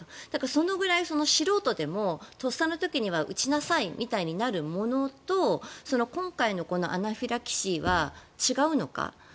それくらい素人にもとっさの時には打ちなさいとなるものと今回のアナフィラキシーは違うのか。